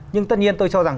nhưng tất nhiên tôi cho rằng